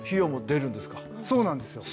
そうなんですよ。